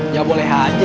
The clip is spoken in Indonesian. ya boleh aja